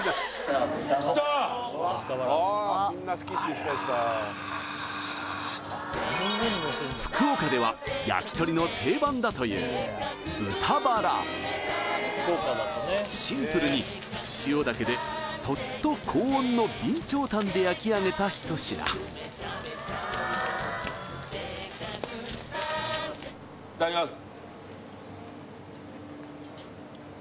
あらあ福岡では焼き鳥の定番だという豚バラシンプルに塩だけでそっと高温の備長炭で焼き上げた一品いただきます